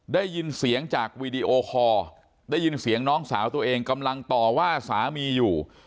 ได้ยินเสียงจากวีดีโอคอร์ได้ยินเสียงน้องสาวตัวเองกำลังต่อว่าสามีอยู่